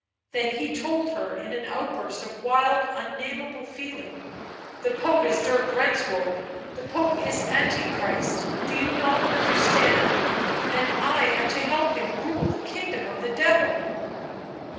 Then he told her, in an outburst of wild, unnameable feeling. " The Pope is Dirk Renswoude — the Pope is Antichrist — do you not understand? And I am to help him rule the kingdom of the Devil!"